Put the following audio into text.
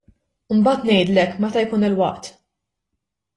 Imbagħad ngħidlek, meta jkun il-waqt!